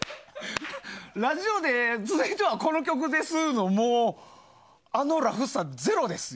ラジオで続いてはこの曲ですのあのラフさゼロです。